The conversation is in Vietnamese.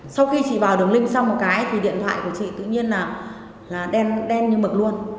sau khi chị vào đường link xong một cái thì điện thoại của chị tự nhiên là đen như mực luôn